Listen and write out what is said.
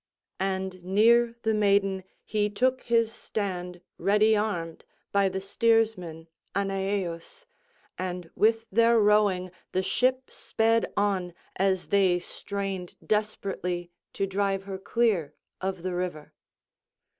And near the maiden he took his stand ready armed by the steersman Aneaeus, and with their rowing the ship sped on as they strained desperately to drive her clear of the river.